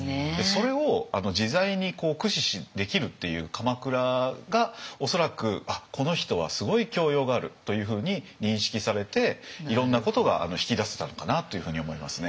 それを自在に駆使できるっていう鎌倉が恐らく「あっこの人はすごい教養がある」というふうに認識されていろんなことが引き出せたのかなというふうに思いますね。